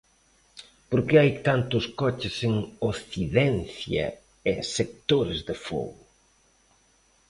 Por que hai tantos coches en 'Occidencia' e 'Sectores de fogo'?